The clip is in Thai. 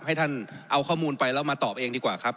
ให้ท่านเอาข้อมูลไปแล้วมาตอบเองดีกว่าครับ